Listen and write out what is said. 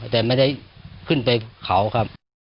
แต่ไม่ได้ขึ้นไปเขาครับ